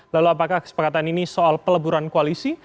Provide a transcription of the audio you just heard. lalu apakah kesepakatan ini soal peleburan koalisi